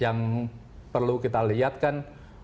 yang perlu kita lihat kan